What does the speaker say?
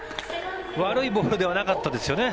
悪いボールではなかったですよね。